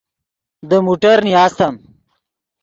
دے موٹر نیاستم